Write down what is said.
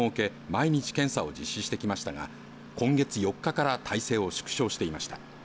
毎日検査を実施してきましたが今月４日から体制を縮小していました。